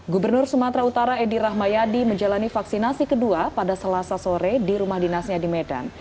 gubernur sumatera utara edi rahmayadi menjalani vaksinasi kedua pada selasa sore di rumah dinasnya di medan